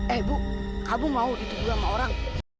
eh bu kamu mau itu juga orang